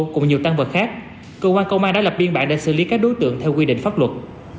cùng nhiều tăng vật khác cơ quan công an đã lập biên bản để xử lý các đối tượng theo quy định pháp luật